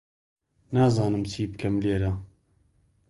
نازانم چی بکەم لێرە.